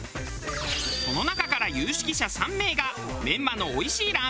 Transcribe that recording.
その中から有識者３名がメンマのおいしいラーメン屋さん